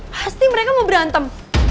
pasti mereka mau berantem